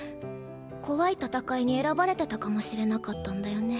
怖い戦いに選ばれてたかもしれなかったんだよね。